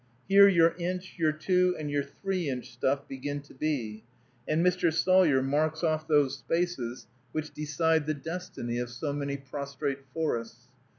Here your inch, your two and your three inch stuff begin to be, and Mr. Sawyer marks off those spaces which decide the destiny of so many prostrate forests.